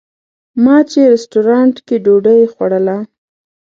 ما چې رسټورانټ کې ډوډۍ خوړله.